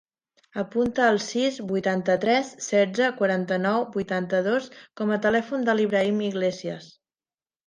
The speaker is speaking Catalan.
Apunta el sis, vuitanta-tres, setze, quaranta-nou, vuitanta-dos com a telèfon de l'Ibrahim Iglesias.